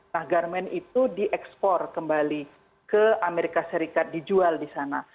nah garmen itu diekspor kembali ke amerika serikat dijual di sana